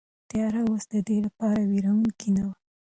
تیاره اوس د ده لپاره وېروونکې نه وه.